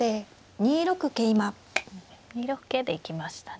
２六桂で行きましたね。